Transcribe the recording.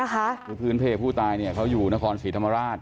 คือพื้นเพลย์ผู้ตายเขาอยู่นครศรีธรรมราช